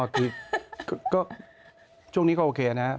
คือก็ช่วงนี้ก็โอเคนะครับ